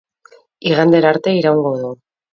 Igandera arte iraungo du.